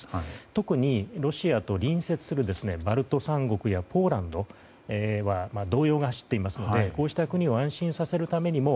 特に、ロシアと隣接するバルト三国やポーランドには動揺が走っていますのでこういった国を安心させるためにも